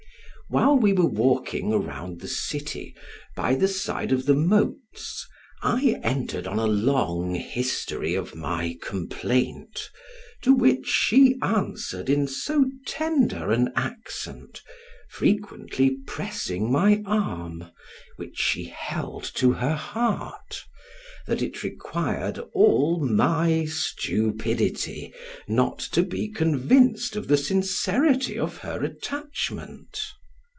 While we were walking round the city by the side of the moats, I entered on a long history of my complaint, to which she answered in so tender an accent, frequently pressing my arm, which she held to her heart, that it required all my stupidity not to be convinced of the sincerity of her attachment.